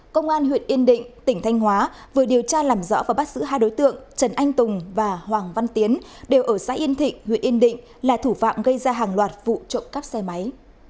công an huyện yên định tỉnh thanh hóa vừa điều tra làm rõ và bắt giữ hai đối tượng trần anh tùng và hoàng văn tiến đều ở xã yên thịnh huyện yên định là thủ phạm gây ra hàng loạt vụ trộm cắp xe máy